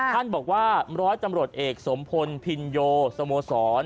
ท่านบอกว่าร้อยตำรวจเอกสมพลพินโยสโมสร